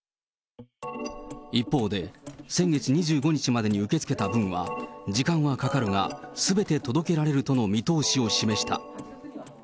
一方で、先月２５日までに受け付けた分は、時間はかかるが、すべて届けられるとの見通しを示した。